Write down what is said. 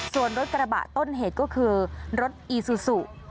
ส่วนรถกระบะต้นเหตุก็คือรถอีซูซู